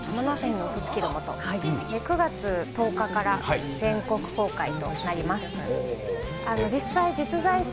９月１０日から全国公開となります。